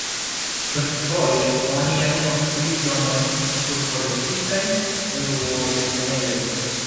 Multfoje oni jam konstruis domojn sur forgesitaj rubodeponejoj.